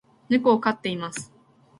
猫を飼っています